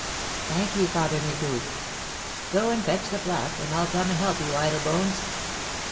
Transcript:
"Thank ye, Father Micou." "Go and fetch the flap, and I'll come and help you, idle bones."